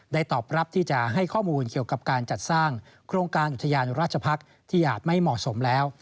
ตอบรับที่จะให้ข้อมูลเกี่ยวกับการจัดสร้างโครงการอุทยานราชพักษ์ที่อาจไม่เหมาะสมแล้ว